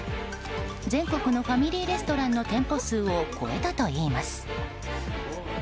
全国のファミリーレストランの店舗数を超えたといいます。